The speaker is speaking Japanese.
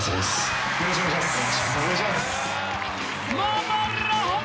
よろしくお願いします。